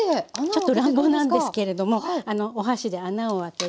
ちょっと乱暴なんですけれどもお箸で穴を開けて。